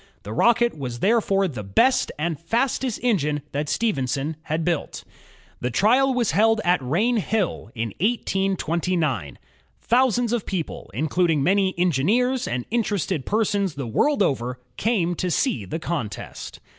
The Rocket was therefore the best and fastest engine that Stephenson had built. The trial was held at Rainhill, in 1829. Thousands of people, including many engineers and interested persons the world over, came to see the contest.